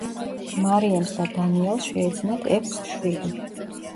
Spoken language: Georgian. მარიამს და დანიელს შეეძინათ ექვს შვილი.